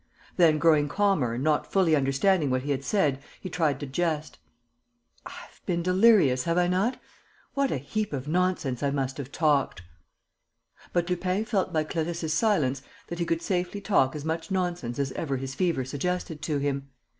Then, growing calmer and not fully understanding what he had said, he tried to jest: "I have been delirious, have I not? What a heap of nonsense I must have talked!" But Lupin felt by Clarisse's silence that he could safely talk as much nonsense as ever his fever suggested to him.